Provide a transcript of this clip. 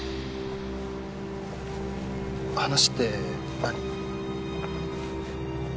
話って何？